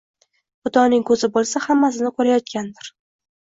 Xudoning ko‘zi bo‘lsa, hammasini ko‘rayotgandir